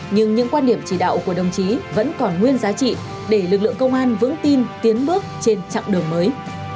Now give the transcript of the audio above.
nhưng những quan điểm chỉ đạo của đồng chí vẫn còn nguyên giá trị để lực lượng công an vững tin tiến bước trên chặng đường mới